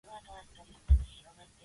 Nobody ever did want me.